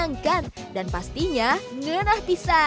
jangan kalau ada bahwa menjauh apa yang tutaj bara jadi siapa tau sih